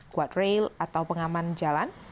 quad rail atau pengaman jalan